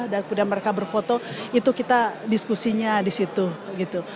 dan sudah mereka berfoto itu kita diskusinya di situ gitu